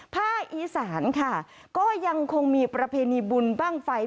ภาคอีสานค่ะก็ยังคงมีประเพณีบุญบ้างไฟ